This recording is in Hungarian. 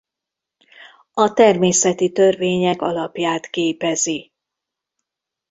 A természeti törvények alapját képezi.